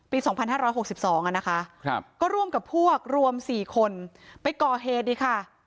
ปี๒๕๖๒นะคะก็ร่วมกับพวกรวม๔คนไปก่อเหตุอีกค่ะ